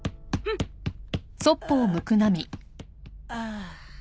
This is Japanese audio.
ああ。